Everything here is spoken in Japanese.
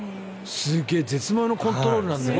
すごい絶妙なコントロールなんだよね。